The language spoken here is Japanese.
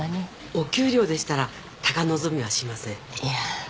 お給料でしたら高望みはしませんいや